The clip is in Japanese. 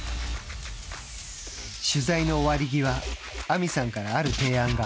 取材の終わり際亜実さんからある提案が。